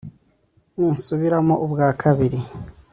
ntisubiramo ubwa kabiri